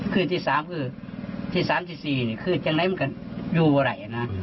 คือที่๓คือที่๓ที่๔คืออย่างไรมันก็อยู่ไว้นะ